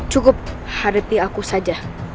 cukup hadapi aku saja